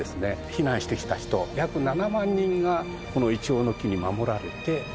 避難してきた人約７万人がこのイチョウの木に守られて助かった。